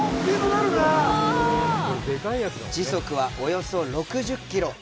時速は、およそ６０キロ